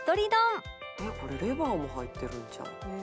「えっこれレバーも入ってるんちゃう？」